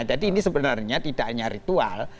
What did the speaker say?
ini sebenarnya tidak hanya ritual